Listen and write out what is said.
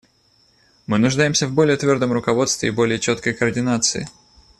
Мы нуждаемся в более твердом руководстве и более четкой координации.